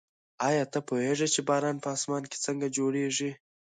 ایا ته پوهېږې چې باران په اسمان کې څنګه جوړېږي؟